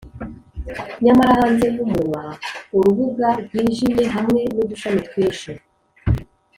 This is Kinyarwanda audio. nyamara hanze yumunwa, urubuga rwijimye hamwe nudushami twinshi